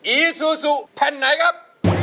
อีซูซูแผ่นไหนครับ